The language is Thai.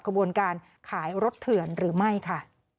ขบวนการขายรถเถื่อนหรือไม่ค่ะ